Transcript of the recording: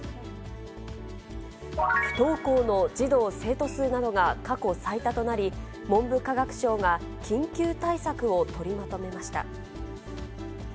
不登校の児童・生徒数などが過去最多となり、文部科学省が緊急対策を取りまとめました。